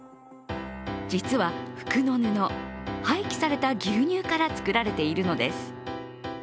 実は服の布、廃棄された牛乳から作られているのです。